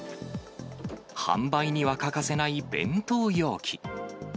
販売には欠かせない弁当容器。